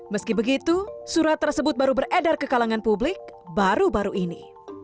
meski begitu surat tersebut baru beredar ke kalangan publik baru baru ini